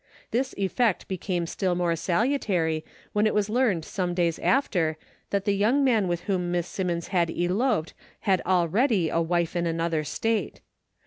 This effect became still more salutary when it was learned some days after that the young man with whom Miss Simmons had eloped had already a wife in another state.